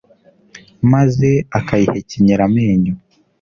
maze akayihekenyera amenyo